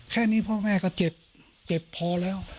แค่นี้พ่อแม่ก็เจ็บเจ็บพอแล้ว